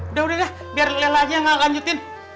udah udah udah biar lela aja yang ngelanjutin